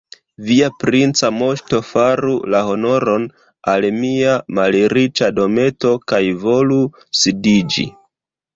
Via princa moŝto faru la honoron al mia malriĉa dometo kaj volu sidiĝi.